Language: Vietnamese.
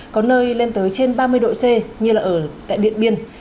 có nơi lên tới trên ba mươi độ c như là ở tại điện biên